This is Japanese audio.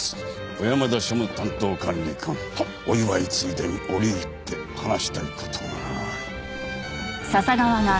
小山田庶務担当管理官お祝いついでに折り入って話したい事がある。